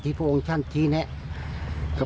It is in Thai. ที่พระองค์ชั่นชี้แนะ